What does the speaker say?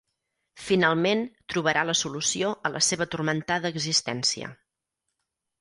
Finalment, trobarà la solució a la seva turmentada existència.